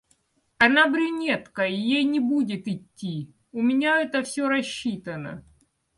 Она брюнетка, и ей не будет итти... У меня это всё рассчитано.